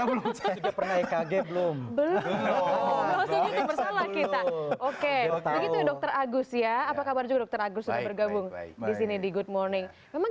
belum belum oke dokter agus ya apa kabar juga teragus bergabung disini di good morning memang